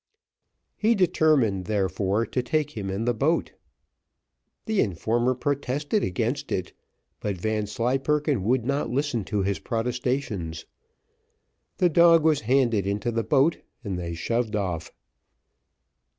He determined, therefore, to take him in the boat. The informer protested against it, but Vanslyperken would not listen to his protestations. The dog was handed into the boat, and they shoved off.